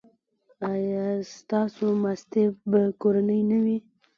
ایا ستاسو ماستې به کورنۍ نه وي؟